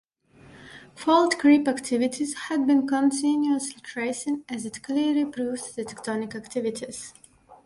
Fault creep activities had been continuously tracing as it clearly proves the tectonic activities.